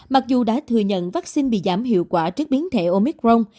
mặc dù đã thừa nhận vaccine bị giảm hiệu quả trước biến thể omicron